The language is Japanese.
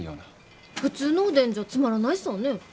普通のおでんじゃつまらないさぁねぇ？